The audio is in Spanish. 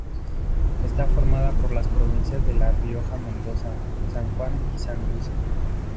Está formada por las provincias de La Rioja, Mendoza, San Juan y San Luis.